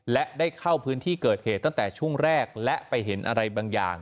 และได้เข้าพื้นที่เกิดเหตุตั้งแต่ช่วงแรกและไปเห็นอะไรบางอย่าง